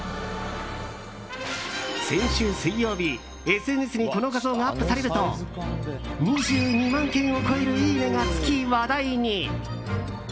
先週水曜日、ＳＮＳにこの画像がアップされると２２万件を超えるいいねがつき話題に。